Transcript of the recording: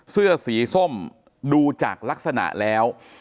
เสื้อสีส้มดูจากลักษณะแล้ว